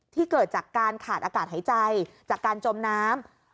เกิดจากการขาดอากาศหายใจจากการจมน้ำ